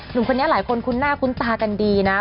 หนุ่มคนนี้หลายคนคุ้นหน้าคุ้นตากันดีนะ